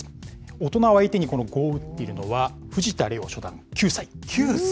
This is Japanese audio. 大人を相手に碁を打っているのは、藤田怜央初段９歳。